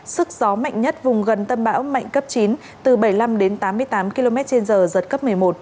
sức gió mạnh nhất vùng gần tâm bão mạnh cấp chín từ bảy mươi năm đến tám mươi tám km trên giờ giật cấp một mươi một